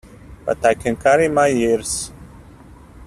But I can carry my years.